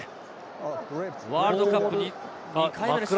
ワールドカップ２回目です。